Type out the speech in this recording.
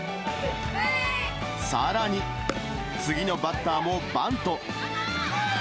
さらに、次のバッターもバント。